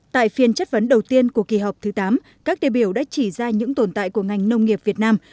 tại phiên chất vấn đầu tiên của kỳ họp thứ tám các đề biểu đã chỉ ra những tồn tại của ngành nông nghiệp việt nam